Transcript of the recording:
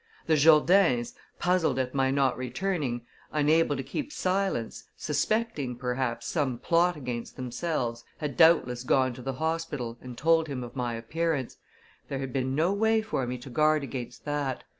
The Jourdains, puzzled at my not returning, unable to keep silence, suspecting, perhaps, some plot against themselves, had doubtless gone to the hospital and told him of my appearance there had been no way for me to guard against that.